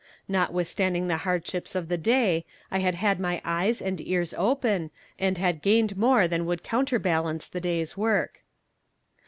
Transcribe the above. Notwithstanding the hardships of the day I had had my eyes and ears open, and had gained more than would counterbalance the day's work.